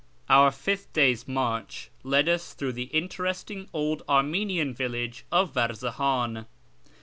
Our fifth day's march led us through the interesting old Armenian village of Varzahan.